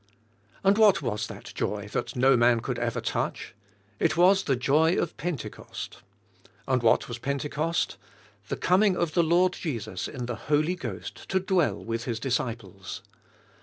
And what was that joy that no man could ever touch? It was the joy of Pentecost. And what was Pentecost? The com ing of the Lord Jesus in the Holy Ghost to dwell with His disciples.